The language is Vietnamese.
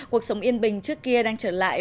cuộc sống yên bình trước kia đang trở lại